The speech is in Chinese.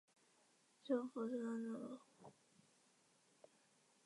首府森孙特佩克。